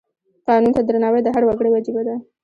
قانون ته درناوی د هر وګړي وجیبه ده.